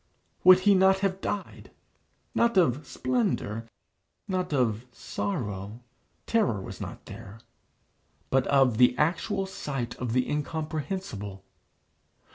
Would he not have died, not of splendour, not of sorrow, (terror was not there,) but of the actual sight of the incomprehensible?